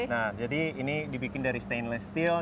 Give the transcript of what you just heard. nah jadi ini dibikin dari stainless steel